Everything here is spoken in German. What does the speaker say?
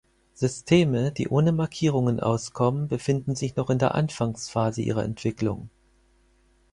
Systeme, die ohne Markierungen auskommen, befinden sich noch in der Anfangsphase ihrer Entwicklung.